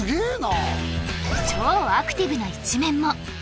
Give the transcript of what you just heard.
超アクティブな一面も！？